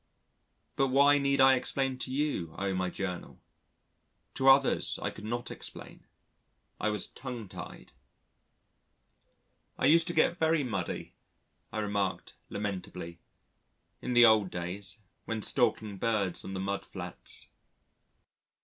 But why need I explain to you, O my Journal? To others, I could not explain. I was tongue tied. "I used to get very muddy," I remarked lamentably, "in the old days when stalking birds on the mudflats."